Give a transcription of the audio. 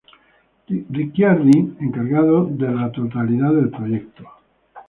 Ricciardi encargados de la totalidad del proyecto.